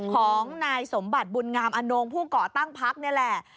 ของนายสมบัติบุญงามอนงผู้ก่อตั้งพักนี่แหละ